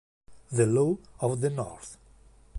The Law of the North